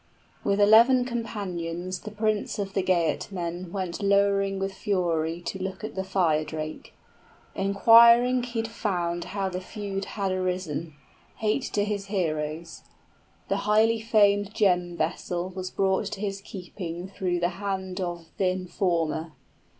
} With eleven companions the prince of the Geatmen Went lowering with fury to look at the fire drake: Inquiring he'd found how the feud had arisen, Hate to his heroes; the highly famed gem vessel 15 Was brought to his keeping through the hand of th' informer.